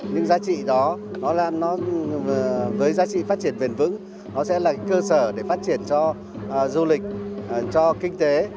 những giá trị đó nó với giá trị phát triển bền vững nó sẽ là cơ sở để phát triển cho du lịch cho kinh tế